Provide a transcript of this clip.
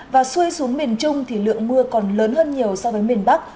và xuôi xuống miền trung thì lượng mưa còn lớn hơn nhiều so với miền bắc